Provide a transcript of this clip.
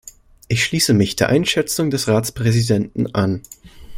Ich schließe mich der Einschätzung des Ratspräsidenten an.